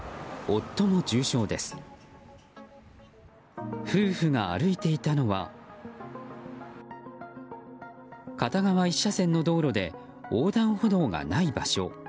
夫婦が歩いていたのは片側１車線の道路で横断歩道がない場所。